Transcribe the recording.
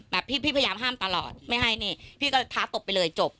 พี่พี่พยายามห้ามตลอดไม่ให้นี่พี่ก็เลยท้าตบไปเลยจบ